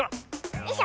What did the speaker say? よいしょ。